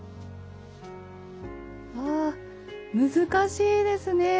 わあ難しいですね。